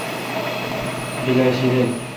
بیل اؘ شیدل۔